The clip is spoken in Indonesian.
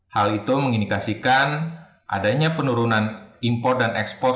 hal itu mengindikasikan adanya penurunan impor dan ekspor